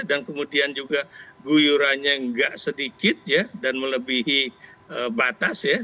dan kemudian juga guyurannya enggak sedikit ya dan melebihi batas ya